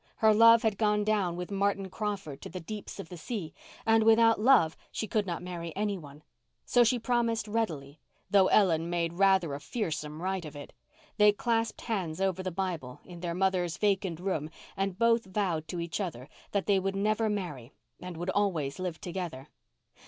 Her love had gone down with Martin Crawford to the deeps of the sea; and without love she could not marry any one. So she promised readily, though Ellen made rather a fearsome rite of it. They clasped hands over the Bible, in their mother's vacant room, and both vowed to each other that they would never marry and would always live together.